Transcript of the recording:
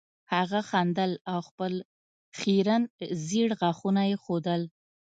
هغه خندل او خپل خیرن زیړ غاښونه یې ښودل